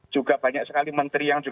juga banyak sekali menteri yang juga